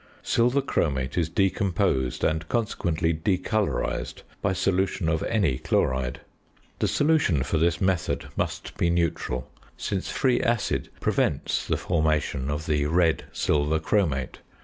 Silver chromate is decomposed and consequently decolorised by solution of any chloride. The solution for this method must be neutral, since free acid prevents the formation of the red silver chromate.